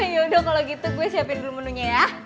yaudah kalo gitu gue siapin dulu menunya ya